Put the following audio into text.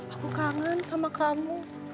aku kangen sama kamu